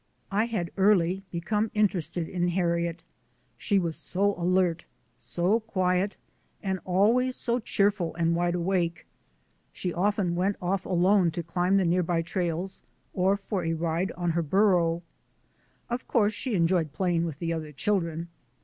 I had early become interested in Harriet, she 229 230 THE ADVENTURES OF A NATURE GUIDE was so alert, so quiet, and always so cheerful and wide awake. She often went off alone to climb the near by trails, or for a ride on her burro. Of course she enjoyed playing with other children.